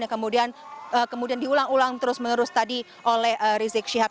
yang kemudian diulang ulang terus menerus tadi oleh rizik syihab